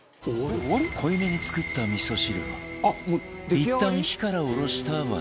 濃いめに作った味噌汁をいったん火から下ろした和田